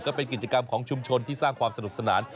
ก็เป็นกิจกรรมของชุมชนที่สร้างความสนุกสนาน